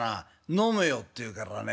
飲めよ』って言うからね